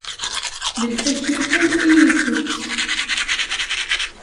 D lfakya kan i itett.